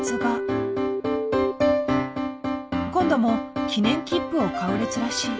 今度も記念切符を買う列らしい。